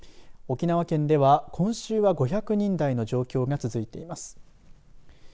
沖縄県では今週は５００人台の状況が続いています。